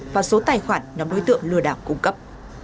vào số tài khoản nhóm đối tượng lừa đảo cung cấp